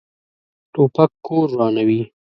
توپک کور ورانوي.